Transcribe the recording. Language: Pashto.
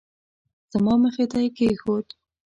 زما مخې ته یې کېښود.